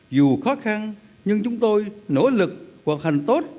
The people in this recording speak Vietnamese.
dù khó khăn nhưng chúng tôi nỗ lực hoặc hành tốt